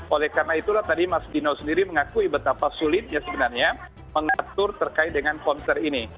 oleh karena itulah tadi mas dino sendiri mengakui betapa sulit ya sebenarnya mengatur terkait dengan konser ini